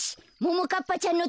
ももかっぱちゃんのためだ。